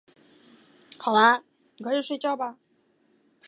乾隆九年卒。